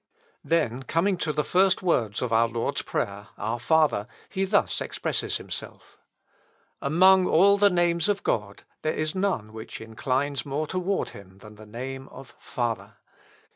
Then coming to the first words of our Lord's Prayer, "Our Father," he thus expresses himself: "Among all the names of God, there is none which inclines more toward him than the name of Father.